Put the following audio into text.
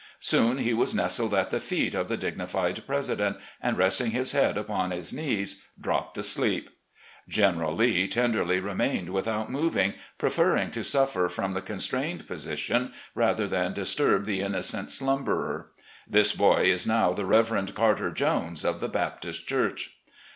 Soon he was nestled at the feet of the dignified president, and, resting his head upon his knees, dropped asleep. General Lee tenderly remained without moving, preferring to suffer from the constrained position rather than disturb the innocent slumberer. This boy is now the Reverend Carter Jones of the Baptist Church.